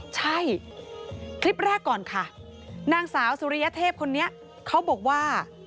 ใช่คลิปแรกก่อนค่ะนางสาวสุริยเทพคนนี้เขาบอกว่า